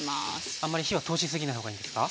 あんまり火は通しすぎないほうがいいですか？